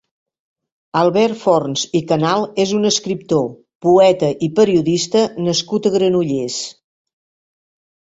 Albert Forns i Canal és un escriptor, poeta i periodista nascut a Granollers.